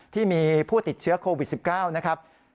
ที่มีผู้ติดเชื้อโควิด๑๙นะครับ